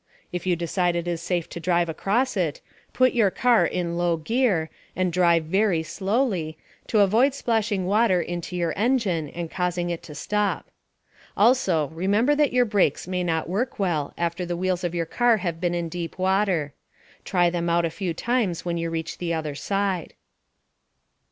If you decide it is safe to drive across it, put your car in low gear and drive very slowly, to avoid splashing water into your engine and causing it to stop. Also, remember that your brakes may not work well after the wheels of your car have been in deep water. Try them out a few times when you reach the other side.